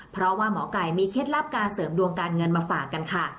เพราะว่าหมอไก่มีเคล็ดลับการเสริมดวงการเงินมาฝากกันค่ะ